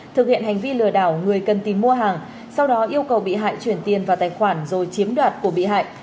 thực hiện hành vi lừa đảo người cần tìm mua hàng sau đó yêu cầu bị hại chuyển tiền vào tài khoản rồi chiếm đoạt của bị hại